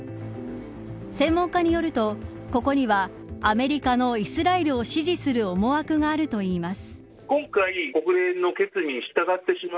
専門家によるとここにはアメリカのイスラエルを支持する思惑があるといいます。